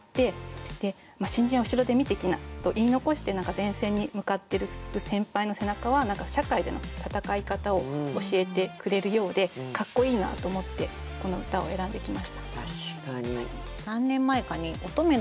「新人は後ろで見ておきな」と言い残して前線に向かってる先輩の背中は社会での戦い方を教えてくれるようでかっこいいなと思ってこの歌を選んできました。